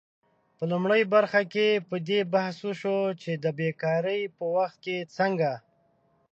په لومړۍ برخه کې په دې بحث وشو چې د بیکارۍ په وخت څنګه